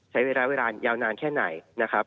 ใช้เวลาเวลายาวนานแค่ไหนนะครับ